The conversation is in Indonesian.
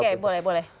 oke boleh boleh